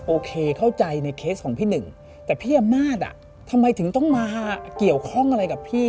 โอเคเข้าใจในเคสของพี่หนึ่งแต่พี่อำนาจอ่ะทำไมถึงต้องมาเกี่ยวข้องอะไรกับพี่